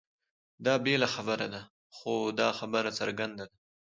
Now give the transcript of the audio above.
دا بېله خبره ده؛ خو دا خبره څرګنده ده،